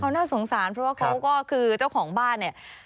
เขาน่าสงสารเพราะว่าเขาก็คือเจ้าของบ้าน